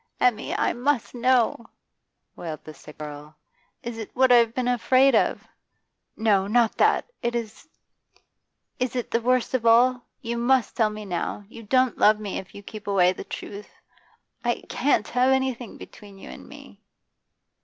'Emmy, I must know,' wailed the sick girl. 'Is it what I've been afraid of? No, not that! Is it the worst of all? You must tell me now. You don't love me if you keep away the truth. I can't have anything between you and me.